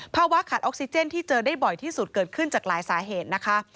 ภาวะขาดออกซิเจนที่เจอได้บ่อยที่สุดเกิดขึ้นจากหลายสาเหตุนะคะ